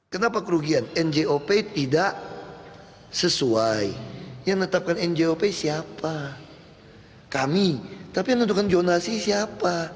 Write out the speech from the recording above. kenapa kerugian njop tidak sesuai yang menetapkan njop siapa kami tapi yang menentukan jonasi siapa